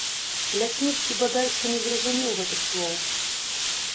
Лясніцкі бадай што не зразумеў гэтых слоў.